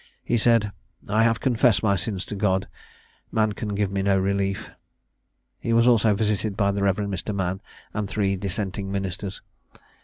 He said, "I have confessed my sins to God; man can give me no relief." He was also visited by the Rev. Mr. Mann, and three dissenting ministers.